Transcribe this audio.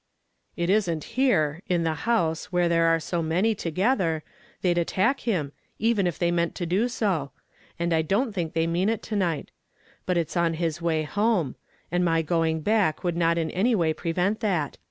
"It isn't here in the house, where there are so many together they'd attack him, even if they meant to do so; and I don't think they mean it to night; but it's on his way home and my going back would not in any way prevent that.